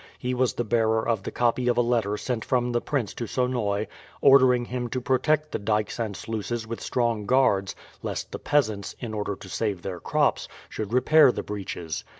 He was the bearer of the copy of a letter sent from the prince to Sonoy, ordering him to protect the dykes and sluices with strong guards, lest the peasants, in order to save their crops, should repair the breaches.